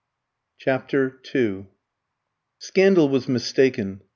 CHAPTER II Scandal was mistaken.